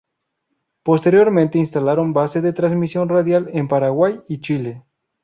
Posteriormente, instalaron bases de transmisión radial en Paraguay y Chile.